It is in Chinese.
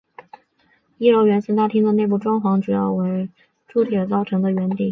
一楼圆形大厅的内部装潢主要为铸铁造成的圆顶及绘于墙上的八幅壁画。